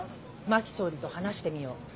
「真木総理と話してみよう」。